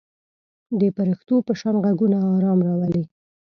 د پرښتو په شان غږونه آرام راولي.